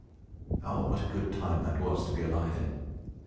Oh, what a good time was that to be alive in!